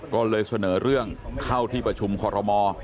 ก็เลยเสนอเรื่องเข้าที่ประชุมคอรมอ